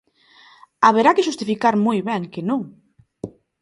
Haberá que xustificar moi ben que non.